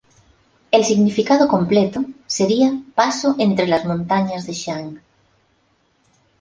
El significado completo sería "Paso entre las montañas de Shang".